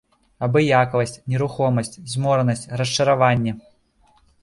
Абыякавасць, нерухомасць, зморанасць, расчараванне.